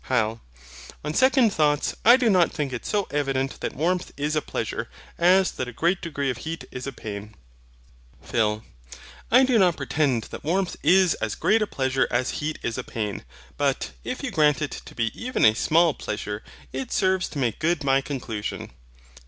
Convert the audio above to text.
HYL. On second thoughts, I do not think it so evident that warmth is a pleasure as that a great degree of heat is a pain. PHIL. I do not pretend that warmth is as great a pleasure as heat is a pain. But, if you grant it to be even a small pleasure, it serves to make good my conclusion.